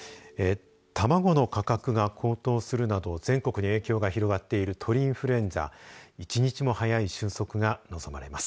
卵の価格が高騰するなど全国に影響が広がっている鳥インフルエンザ一日も早い収束が望まれます。